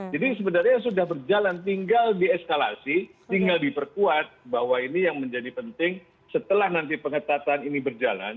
jadi sebenarnya sudah berjalan tinggal dieskalasi tinggal diperkuat bahwa ini yang menjadi penting setelah nanti pengetatan ini berjalan